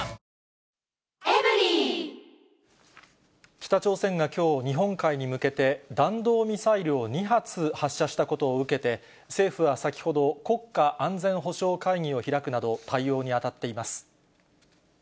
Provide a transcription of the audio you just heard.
北朝鮮がきょう、日本海に向けて、弾道ミサイルを２発発射したことを受けて、政府は先ほど、国家安全保障会議を開くなど、対応に当たっています。